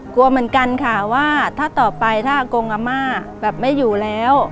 กลัวเหมือนกันค่ะว่าถ้าต่อไปถ้าอากงอาม่าแบบไม่อยู่แล้ว